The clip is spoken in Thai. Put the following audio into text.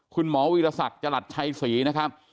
คุณหมอวิรสัตว์จลัดชัยศรีนะครับ